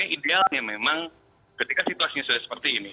jadi sebenarnya idealnya memang ketika situasinya sudah seperti ini